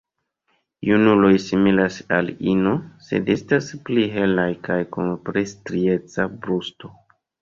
Junuloj similas al ino, sed estas pli helaj kaj kun pli strieca brusto.